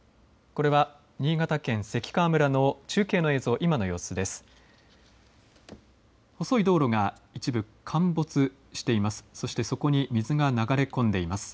これは新潟県関川村の中継の映像、今の様子です。